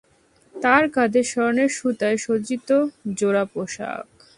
তার কাঁধে স্বর্ণের সুতায় সজ্জিত জোড়া পোশাক।